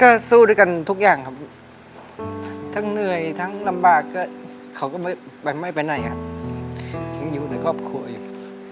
ก็สู้ด้วยกันทุกอย่างครับทั้งเหนื่อยทั้งลำบากก็เขาก็ไม่ไปไหนครับยังอยู่ในครอบครัวอยู่